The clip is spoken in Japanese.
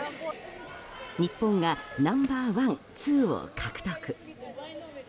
日本がナンバーワン、ツーを獲得。